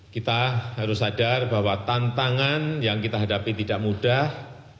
kita harus sadar bahwa tantangan yang kita hadapi tidak mudah